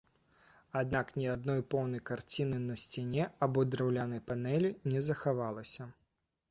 Аднак ні адной поўнай карціны на сцяне або драўлянай панэлі не захавалася.